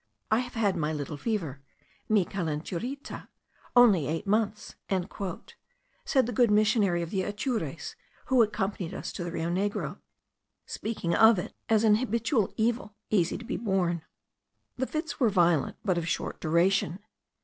"I have had my little fever (mi calenturita) only eight months," said the good missionary of the Atures, who accompanied us to the Rio Negro; speaking of it as of an habitual evil, easy to be borne. The fits were violent, but of short duration.